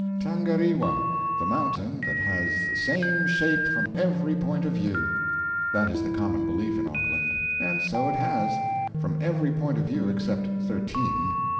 Tangariwa, the mountain that "has the same shape from every point of view." That is the common belief in Auckland. And so it has from every point of view except thirteen.